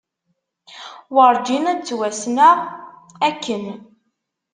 Werǧin ad ttwassneɣ akken.